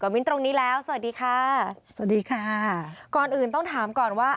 มิ้นตรงนี้แล้วสวัสดีค่ะสวัสดีค่ะก่อนอื่นต้องถามก่อนว่า